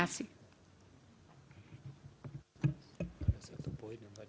ada satu poin yang tadi